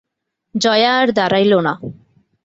জয়া আর দাড়াইল না।